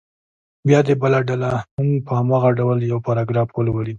بیا دې بله ډله هم په هماغه ډول یو پاراګراف ولولي.